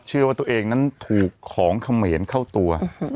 เชื่อว่าตัวเองนั้นถูกของเขมรเข้าตัว